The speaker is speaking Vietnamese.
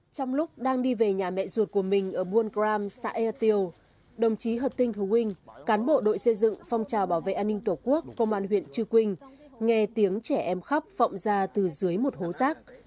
trong lúc đang đi về nhà mẹ ruột của mình ở buôn gram xã ea tiêu đồng chí hật tinh hữu quynh cán bộ đội xây dựng phong trào bảo vệ an ninh tổ quốc công an huyện chư quynh nghe tiếng trẻ em khóc phọng ra từ dưới một hô rác